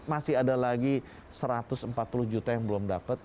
masih ada lagi satu ratus empat puluh juta yang belum dapat